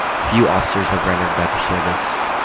Few officers have rendered better service.